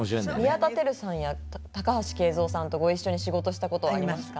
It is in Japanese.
宮田輝さんや高橋圭三さんとご一緒に仕事したことありますか？